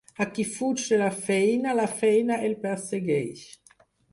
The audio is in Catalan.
A qui fuig de la feina, la feina el persegueix.